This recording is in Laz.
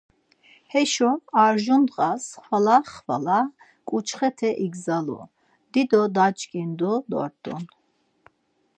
Heşo arjur ndğas xvala xvala ǩuçxete igzalu, dido daç̌ǩindu dort̆un.